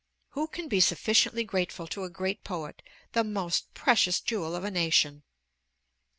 Who can be sufficiently grateful to a great poet, the most precious jewel of a nation!